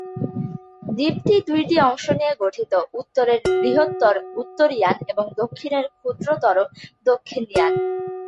দ্বীপটি দুইটি অংশ নিয়ে গঠিত; উত্তরের বৃহত্তর উত্তর-ইয়ান এবং দক্ষিণের ক্ষুদ্রতর দক্ষিণ-ইয়ান।